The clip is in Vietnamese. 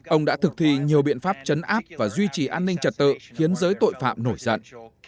ông đã thực thi nhiều biện pháp chấn áp và duy trì an ninh trật tự khiến giới tội phạm nổi giận